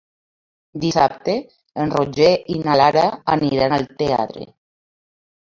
Dissabte en Roger i na Lara aniran al teatre.